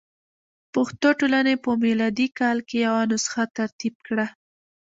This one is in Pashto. پښتو ټولنې په میلادي کال کې یوه نسخه ترتیب کړه.